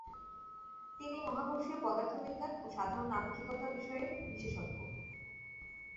তিনি মহাকর্ষীয় পদার্থবিজ্ঞান ও সাধারণ আপেক্ষিকতা বিষয়ের বিশেষজ্ঞ।